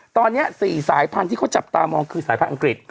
ตอนนี้๔สายพันธุ์ที่เขาจับตามองคือสายพันธุ์อังกฤษ